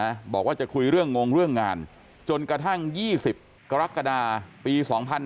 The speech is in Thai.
บอกว่าจะคุยเรื่องงงเรื่องงานจนกระทั่ง๒๐กรกฎาปี๒๕๕๙